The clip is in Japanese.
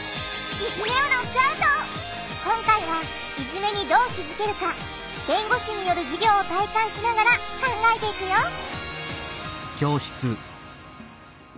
今回はいじめにどう気づけるか弁護士による授業を体感しながら考えていくよ